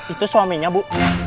itu suaminya bu